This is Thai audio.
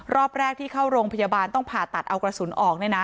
รอบแรกที่เข้าโรงพยาบาลต้องผ่าตัดเอากระสุนออก